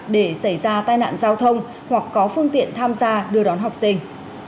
để xảy ra tai nạn giao thông hoặc có phương tiện tham gia đưa đón học sinh